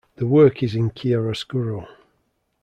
The work is in chiaroscuro.